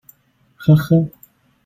呵呵！